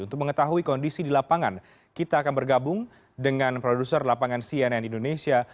untuk mengetahui kondisi di lapangan kita akan bergabung dengan produser lapangan cnn indonesia